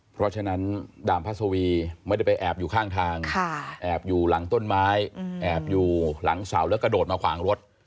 เพราะฉะนั้นดามพระสวีไม่ได้ไปแอบอยู่ข้างทางแอบอยู่หลังต้นไม้แอบอยู่หลังเสาแล้วกระโดดมาขวางรถ